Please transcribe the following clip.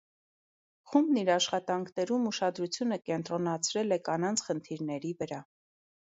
Խումբն իր աշխատանքներում ուշադրությունը կենտրոնացրել է կանանց խնդիրների վրա։